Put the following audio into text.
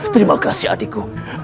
terima kasih adeku